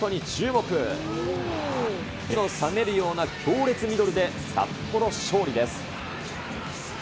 目の覚めるような強烈ミドルで札幌勝利です。